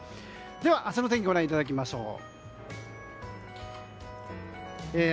では、明日の天気ご覧いただきましょう。